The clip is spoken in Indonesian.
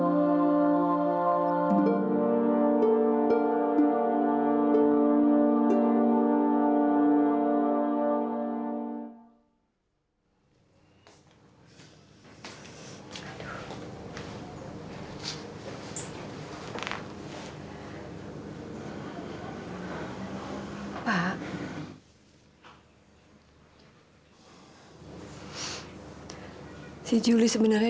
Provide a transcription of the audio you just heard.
sampai jumpa di video selanjutnya